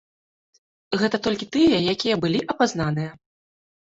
Гэта толькі тыя, якія былі апазнаныя.